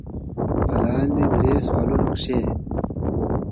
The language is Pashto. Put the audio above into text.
پۀ دې لاندې درې سوالونو کښې